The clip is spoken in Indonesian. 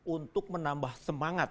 untuk menambah semangat